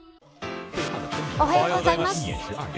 おはようございます。